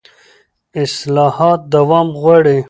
اصلاحات دوام غواړي